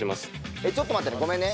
えちょっと待ってねごめんね。